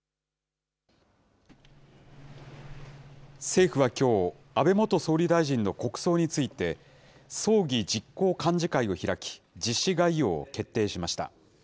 政府はきょう、安倍元総理大臣の国葬について、葬儀実行幹事会を開き、実施概要を決定しました。